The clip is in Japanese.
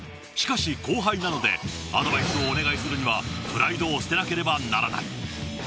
しかし後輩なのでアドバイスをお願いするにはプライドを捨てなければならない。